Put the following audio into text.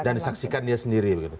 dan disaksikan dia sendiri